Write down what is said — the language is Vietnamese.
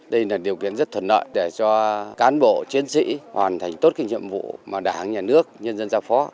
đây là điều kiện rất thuận nợ để cho cán bộ chiến sĩ hoàn thành tốt cái nhiệm vụ mà đảng nhà nước nhân dân giao phó